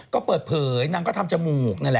ก็เปิดเผยนางก็ทำจมูกนั่นแหละ